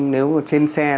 nếu trên xe